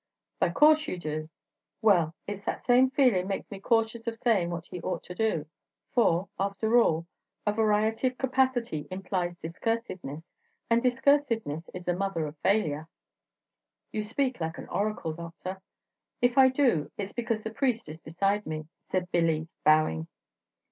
"By coorse you do. Well, it's that same feelin' makes me cautious of sayin' what he ought to do. For, after all, a variety of capacity implies discursiveness, and discursiveness is the mother of failure." "You speak like an oracle, Doctor." "If I do, it's because the priest is beside me," said Billy, howmg.